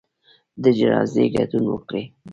د جنازې ګډون وکړئ